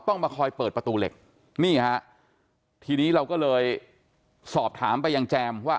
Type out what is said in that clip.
ต้องมาคอยเปิดประตูเหล็กนี่ฮะทีนี้เราก็เลยสอบถามไปยังแจมว่า